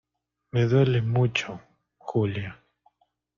me duele mucho, Julia